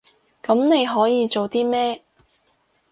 噉你可以做啲咩？